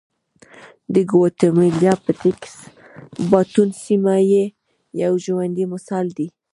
د ګواتیمالا پټېکس باټون سیمه یې یو ژوندی مثال دی